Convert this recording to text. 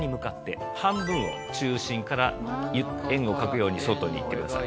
半分を中心から円を描くように外に行ってください。